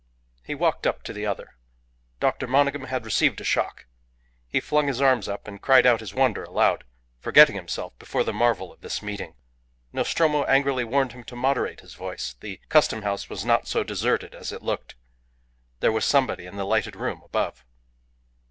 He walked up to the other. Dr. Monygham had received a shock. He flung his arms up and cried out his wonder aloud, forgetting himself before the marvel of this meeting. Nostromo angrily warned him to moderate his voice. The Custom House was not so deserted as it looked. There was somebody in the lighted room above.